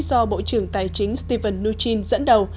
do bộ trưởng tài chính stephen nugin dẫn đầu